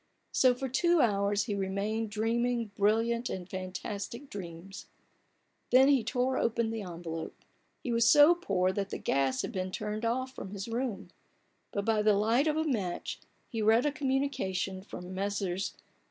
So for two hours he remained dreaming brilliant and fantastic dreams, Then he tore open the envelope. He was so poor that the gas had been turned off from his room, but by the light of a match he read a communication from Messrs.